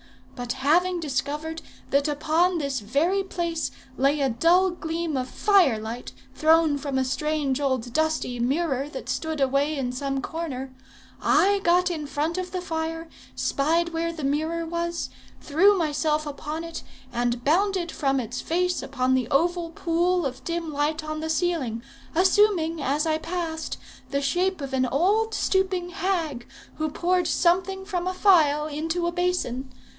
But having discovered that upon this very place lay a dull gleam of firelight thrown from a strange old dusty mirror that stood away in some corner, I got in front of the fire, spied where the mirror was, threw myself upon it, and bounded from its face upon the oval pool of dim light on the ceiling, assuming, as I passed, the shape of an old stooping hag, who poured something from a phial into a basin.